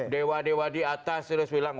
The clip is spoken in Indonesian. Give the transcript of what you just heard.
dewa dewa diatas terus bilang